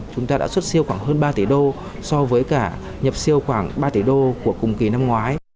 chúng ta đã xuất siêu khoảng hơn ba tỷ đô so với cả nhập siêu khoảng ba tỷ đô của cùng kỳ năm ngoái